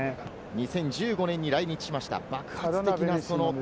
２０１５年に来日しました。